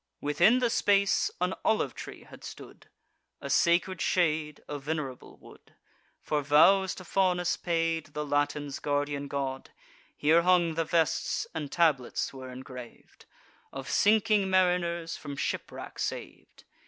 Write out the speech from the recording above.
Within the space, an olive tree had stood, A sacred shade, a venerable wood, For vows to Faunus paid, the Latins' guardian god. Here hung the vests, and tablets were engrav'd, Of sinking mariners from shipwreck sav'd.